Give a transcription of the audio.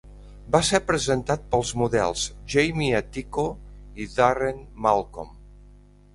Va ser presentat pels models Jamie Atiko i Darren Malcolm.